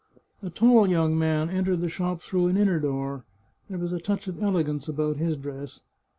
A tall young man entered the shop through an inner door ; there was a touch of elegance about his dress.